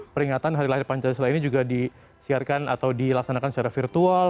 peringatan hari lahir pancasila ini juga disiarkan atau dilaksanakan secara virtual